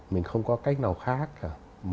mình không có cách nào khác cả